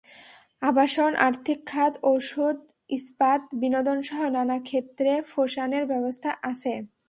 আবাসন, আর্থিক খাত, ওষুধ, ইস্পাত, বিনোদনসহ নানা ক্ষেত্রে ফোসানের ব্যবসা আছে।